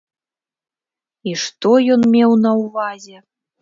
І што ён меў на ўвазе?